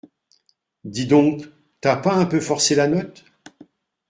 Dis donc, t’as pas un peu forcé la note ?